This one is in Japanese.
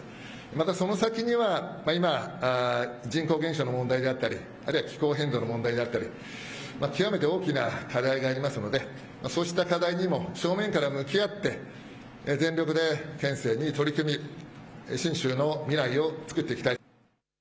また、その先には今、人口減少の問題であったりあるいは気候変動の問題であったり極めて大きな課題がありますのでそうした課題にも正面から向き合って全力で県政に取り組み信州の未来を作っていきたい。